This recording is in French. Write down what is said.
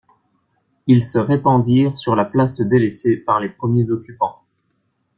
Ils se répandirent sur la place, délaissée par les premiers occupants.